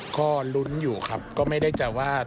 ก็ลุ้นอยู่ครับก็ไม่ได้จะว่า